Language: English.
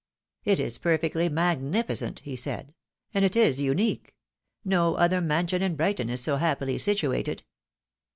" It is perfectly magnificent !" he said, " and it is unique. No other mansion in Brighton is so happily situated."